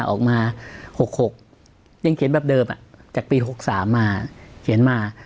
ออกมา๖๖ยังเขียนแบบเดิมจากปี๖๓มาเขียนมา